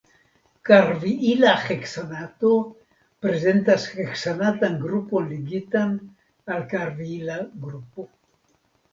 Karviila heksanato prezentas heksanatan grupon ligitan al karviila grupo.